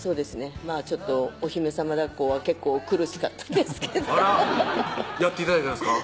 ちょっとお姫さまだっこは結構苦しかったですけどやって頂いたんですか？